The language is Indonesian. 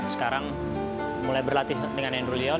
sekarang mulai berlatih dengan andrew leon